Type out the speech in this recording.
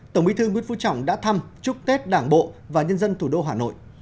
tổng bí thư nguyễn phú trọng đã thăm chúc tết đảng bộ và nhân dân thủ đô hà nội